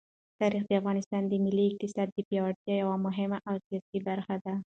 تاریخ د افغانستان د ملي اقتصاد د پیاوړتیا یوه مهمه او اساسي برخه ده.